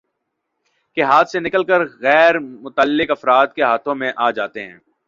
کے ہاتھ سے نکل کر غیر متعلق افراد کے ہاتھوں میں آجاتے ہیں